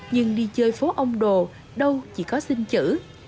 nhưng đi chơi phố ông đồ đâu chỉ có xin chữ